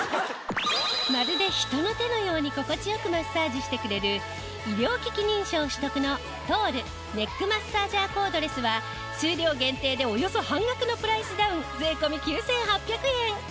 まるで人の手のように心地良くマッサージしてくれる医療機器認証取得のトールネックマッサージャーコードレスは数量限定でおよそ半額のプライスダウン税込９８００円。